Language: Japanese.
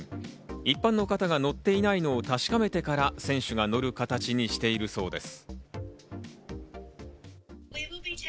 一般の方が乗っていないのを確かめてから選手が乗る形にしているそうです。